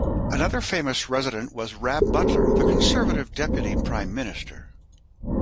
Another famous resident was Rab Butler, the Conservative Deputy Prime Minister.